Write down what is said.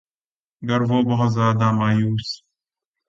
گر وہ بہت زیادہ مایوس